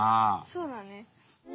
そうだね。